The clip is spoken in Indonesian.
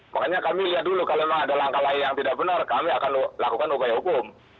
makanya kami lihat dulu kalau memang ada langkah lain yang tidak benar kami akan lakukan upaya hukum